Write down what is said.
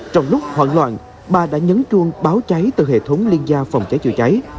trong lúc hoảng loạn bà đã nhấn chuông báo cháy từ hệ thống liên gia phòng cháy chữa cháy